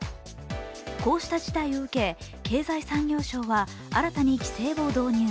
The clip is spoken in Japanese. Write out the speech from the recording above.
こうした事態を受け経済産業省は新たに規制を導入。